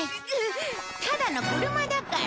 ただの車だから。